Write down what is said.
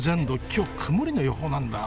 今日曇りの予報なんだ。